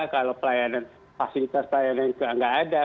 kalau fasilitas pelayanan itu tidak ada